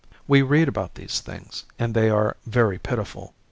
We read about these things, and they are very pitiful.